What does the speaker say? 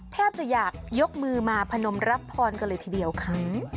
แทบจะอยากยกมือมาพนมรับพรกันเลยทีเดียวค่ะ